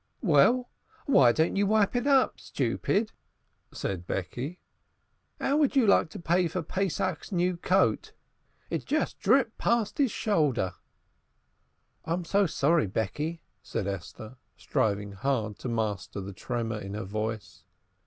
"Well, why don't you wipe it up, stupid?" said Becky. "'Ow would you like to pay for Pesach's new coat? It just dripped past his shoulder." "I'm so sorry, Becky," said Esther, striving hard to master the tremor in her voice.